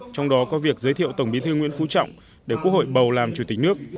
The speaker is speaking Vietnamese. trong đó có việc giới thiệu tổng bí thư nguyễn phú trọng để quốc hội bầu làm chủ tịch nước